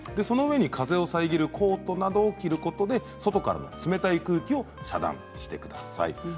その上に風を遮るコートなどを着ることで外からの、冷たい空気を遮断してください。